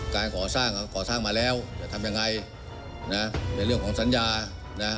การก่อสร้างก่อสร้างมาแล้วจะทำยังไงนะในเรื่องของสัญญานะ